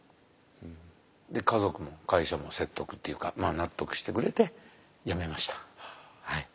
で家族も会社も説得っていうか納得してくれてやめました。